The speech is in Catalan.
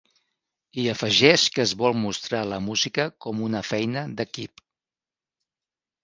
I afegeix que es vol mostrar la música com una feina d’equip.